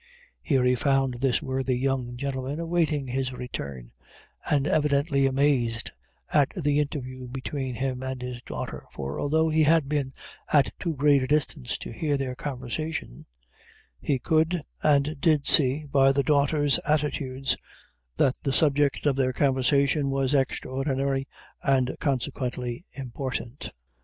Here he found this worthy young gentleman awaiting his return, and evidently amazed at the interview between him and his daughter; for although he had been at too great a distance to hear their conversation, he could, and did see, by the daughter's attitudes, that the subject of their conversation was extraordinary, and consequently important.